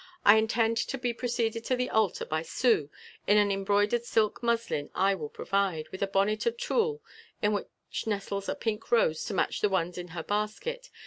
I intend to be preceded to the altar by Sue in an embroidered silk muslin I will provide, with a bonnet of tulle in which nestles a pink rose to match the ones in her basket.